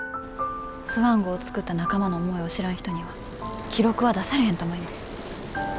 スワン号作った仲間の思いを知らん人には記録は出されへんと思います。